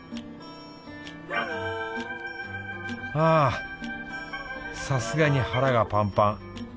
あさすがに腹がパンパン。